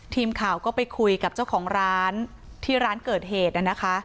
ทีมข่าวก็ไปคุยกับเจ้าของร้านที่ร้านเกิดเหตุนะคะ